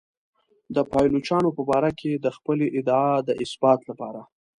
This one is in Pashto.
د پایلوچانو په باره کې د خپلې ادعا د اثبات لپاره.